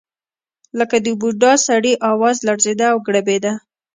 لکه د بوډا سړي اواز لړزېده او ګړبېده.